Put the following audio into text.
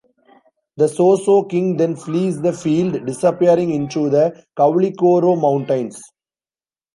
The Sosso king then flees the field, disappearing into the Koulikoro mountains.